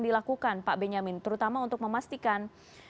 dilakukan pak benyamin terutama untuk memastikan